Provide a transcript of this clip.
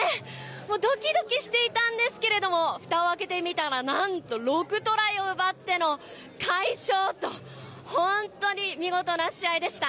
もうドキドキしていたんですけれども、ふたを開けてみたら、なんと６トライを奪っての快勝と、本当に見事な試合でした。